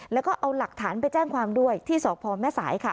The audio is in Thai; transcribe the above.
แล้วก็เอาหลักฐานไปแจ้งความด้วยที่สพแม่สายค่ะ